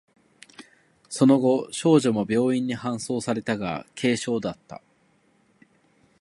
その後、少女も病院に搬送されたが、軽傷だった。